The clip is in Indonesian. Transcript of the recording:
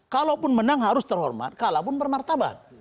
kalaupun menang harus terhormat kalaupun bermartabat